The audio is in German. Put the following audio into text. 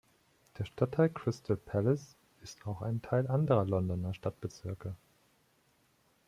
Der Stadtteil Crystal Palace ist auch Teil anderer Londoner Stadtbezirke.